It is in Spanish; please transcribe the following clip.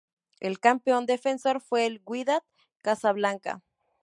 El campeón defensor fue el Wydad Casablanca.